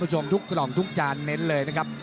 คุณผู้ชมทุกกล่องทุกจานเน้นเลยนะครับ